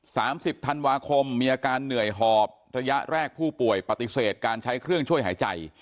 สามสิบธันวาคมมีอาการเหนื่อยหอบระยะแรกผู้ป่วยปฏิเสธการใช้เครื่องช่วยหายใจ